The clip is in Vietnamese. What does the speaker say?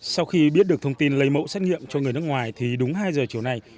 sau khi biết được thông tin lấy mẫu xét nghiệm cho người nước ngoài thì đúng hai giờ chiều nay